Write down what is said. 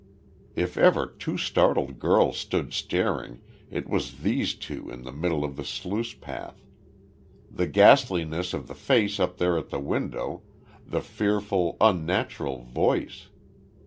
If ever two startled girls stood staring, it was these two in the middle of the sluice path. The ghastliness of the face up there at the window, the fearful, unnatural voice.